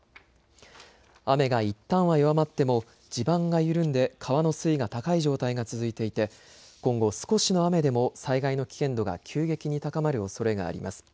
雨がいったんは弱まっても地盤が緩んで川の水位が高い状態が続いていて今後、少しの雨でも災害の危険度が急激に高まるおそれがあります。